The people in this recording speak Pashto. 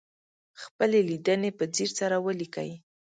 خپلې لیدنې په ځیر سره ولیکئ.